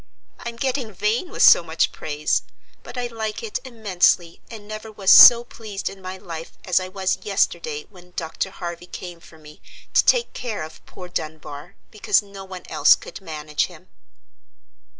"I'm getting vain with so much praise, but I like it immensely, and never was so pleased in my life as I was yesterday when Dr. Harvey came for me to take care of poor Dunbar, because no one else could manage him."